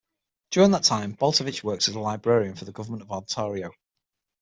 During that time, Baltovich worked as a librarian for the Government of Ontario.